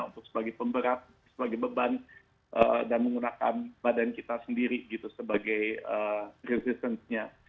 untuk sebagai pemberat sebagai beban dan menggunakan badan kita sendiri gitu sebagai resistance nya